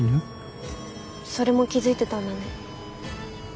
それも気付いてたんだね。